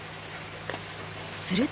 すると。